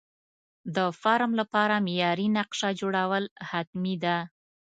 د فارم لپاره معیاري نقشه جوړول حتمي ده.